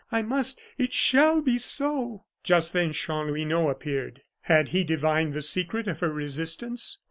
I must, it shall be so!" Just then Chanlouineau appeared. Had he divined the secret of her resistance?